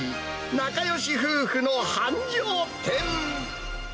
仲よし夫婦の繁盛店。